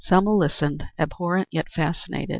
Selma listened, abhorrent yet fascinated.